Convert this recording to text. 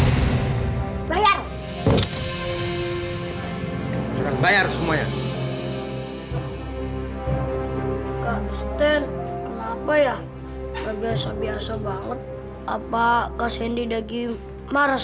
kak sten kenapa ya nggak biasa biasa banget